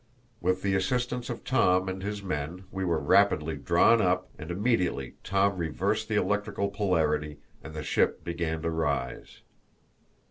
With the assistance of Tom and his men we were rapidly drawn up, and immediately Tom reversed the electric polarity, and the ship began to rise.